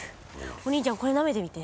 お兄ちゃんこれなめてみて。